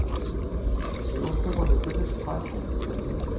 She also won the British title in the same year.